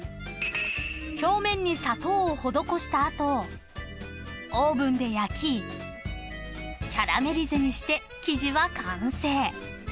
［表面に砂糖を施した後オーブンで焼きキャラメリゼにして生地は完成］